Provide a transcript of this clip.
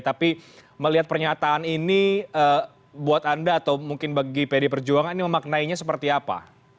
tapi melihat pernyataan ini buat anda atau mungkin bagi pd perjuangan ini memaknainya seperti apa